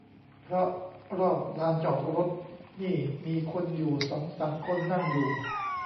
เพราะรอบลานจอดรถนี่มีคนอยู่สองสามคนนั่งอยู่